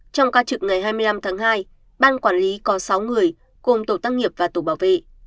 trong ca trực ngày hai mươi năm tháng hai ban quản lý có sáu người cùng tổ tăng nghiệp và tổ bảo vệ